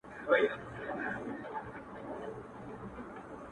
گل وي ياران وي او سايه د غرمې ـ